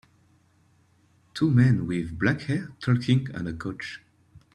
Two men with black hair talking on a couch.